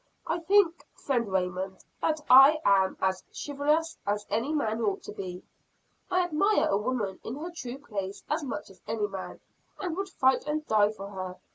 I think, friend Raymond, that I am as chivalrous as any man ought to be. I admire a woman in her true place as much as any man and would fight and die for her.